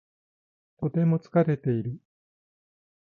とても疲れている。